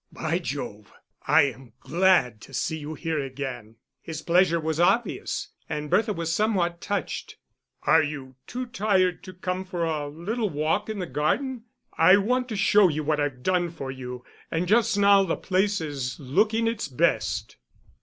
"By Jove, I am glad to see you here again." His pleasure was obvious, and Bertha was somewhat touched. "Are you too tired to come for a little walk in the garden? I want to show what I've done for you, and just now the place is looking its best."